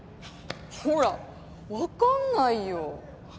ほらわかんないよ。